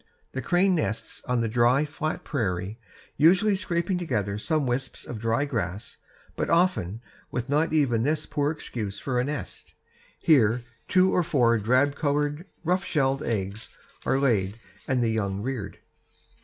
The crane nests on the dry, flat prairie, usually scraping together some wisps of dry grass, but often with not even this poor excuse for a nest. Here two to four drab brown colored, rough shelled eggs are laid and the young reared.